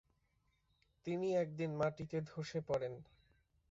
তিনি একদিন মাটিতে ধসে পড়েন।